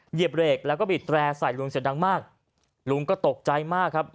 เหยียบเรกแล้วก็บีดแร่ใส่ลุงเสียดังมากลุงก็ตกใจมากครับ